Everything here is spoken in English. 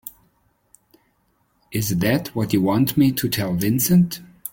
Is that what you want me to tell Vincent?